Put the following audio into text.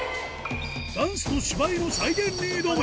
ダンスと芝居の再現に挑む